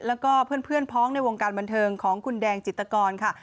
แล้วก็เพื่อนพ้องในวงการบันเทิงของคุณแดงจิตกรค่ะ